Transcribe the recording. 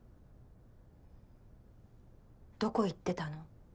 どこ行ってたの？